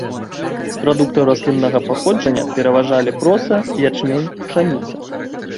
З прадуктаў расліннага паходжання пераважалі проса, ячмень, пшаніца.